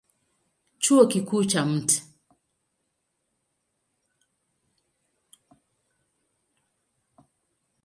Chuo Kikuu cha Mt.